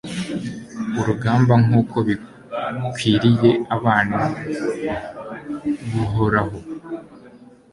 urugamba, nk'uko bikwiriye abana b'uhoraho